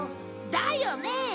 だよね！